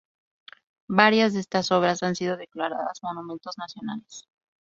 Varias de estas obras han sido declaradas monumentos nacionales.